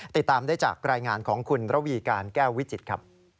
ติดตามได้จากรายงานของคุณระวีการแก้ววิจิตรครับ